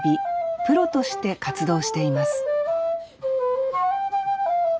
プロとして活動しています